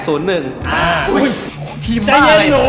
อุ้ยทีมมากเลย